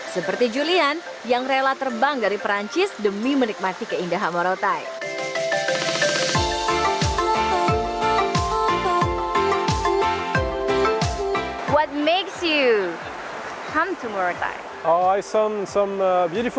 seperti julian yang rela terbang dari perancis demi menikmati keindahan morotai